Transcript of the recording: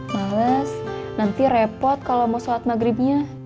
males nanti repot kalau mau sholat maghribnya